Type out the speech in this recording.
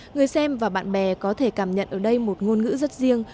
người xem và bạn bè có thể cảm nhận ở đây một ngôn ngữ rất riêng